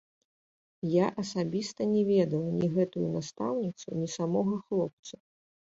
Я асабіста не ведала ні гэтую настаўніцу, ні самога хлопца.